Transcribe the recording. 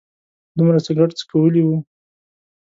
دومره سګرټ څکولي و.